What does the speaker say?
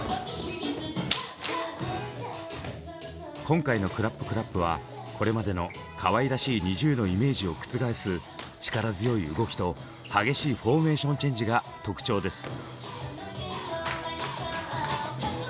今回の「ＣＬＡＰＣＬＡＰ」はこれまでのかわいらしいＮｉｚｉＵのイメージを覆す力強い動きと激しいフォーメーションチェンジが特徴です。